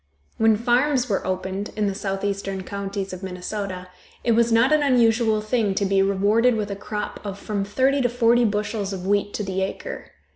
When farms were opened in the southeastern counties of Minnesota it was not an unusual thing to be rewarded with a crop of from thirty to forty bushels of wheat to the acre.